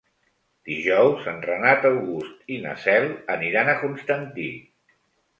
Dijous en Renat August i na Cel aniran a Constantí.